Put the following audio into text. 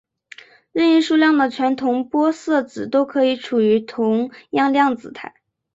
任意数量的全同玻色子都可以处于同样量子态。